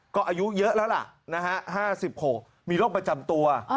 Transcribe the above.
ก็อายุเยอะแล้วล่ะนะฮะ๕๖มีโรคประจำตัว